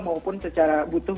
maupun secara butuh